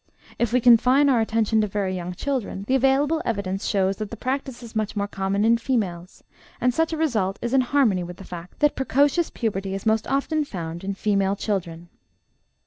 If we confine our attention to very young children, the available evidence shows that the practice is much more common in females, and such a result is in harmony with the fact that precocious puberty is most often found in female children.